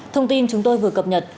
thông tin chúng tôi vừa cập nhật